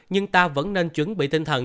nhưng ta vẫn nên chuẩn bị tinh thần